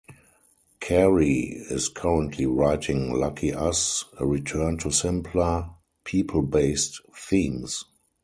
Carey is currently writing 'Lucky Us', a return to simpler people-based themes.